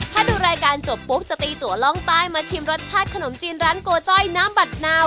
ถ้าดูรายการจบปุ๊บจะตีตัวล่องใต้มาชิมรสชาติขนมจีนร้านโกจ้อยน้ำบัดนาว